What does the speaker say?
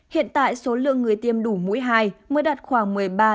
hiện tại số lượng người tiêm đủ mũi hai mới đạt khoảng một mươi ba